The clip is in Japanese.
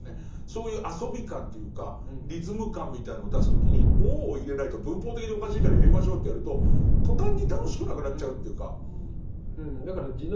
そういう遊び感というかリズム感みたいのを出す時に「を」を入れないと文法的におかしいから入れましょうってやると途端に楽しくなくなっちゃうというか。